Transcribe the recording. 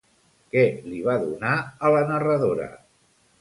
Què li va donar a la narradora?